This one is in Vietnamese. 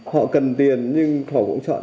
họ cần tiền nhưng họ cũng chọn